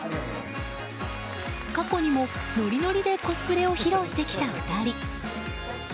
過去にもノリノリでコスプレを披露してきた２人。